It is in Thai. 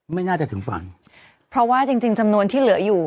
ไม่น่าจะถึงฝั่งเพราะว่าจริงจริงจำนวนที่เหลืออยู่